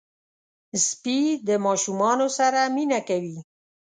سپي د ماشومانو سره مینه کوي.